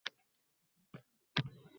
Bu muammo yaqin vaqt ichida hal etiladi.